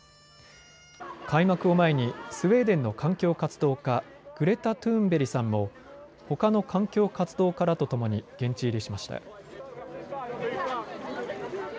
開幕を前にスウェーデンの環境活動家、グレタ・トゥーンベリさんもほかの環境活動家らとともに現地入りしました。